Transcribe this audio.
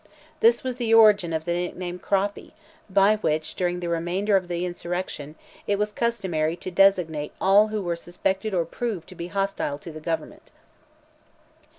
This was the origin of the nickname "Croppy," by which, during the remainder of the insurrection, it was customary to designate all who were suspected or proved to be hostile to, the government.